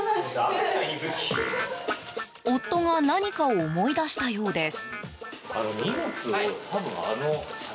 夫が何かを思い出したようです。